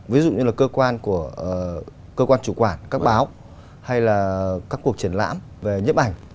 ví dụ như là cơ quan của cơ quan chủ quản các báo hay là các cuộc triển lãm về nhiếp ảnh